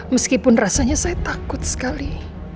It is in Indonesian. meskipun rasanya saya takut sekali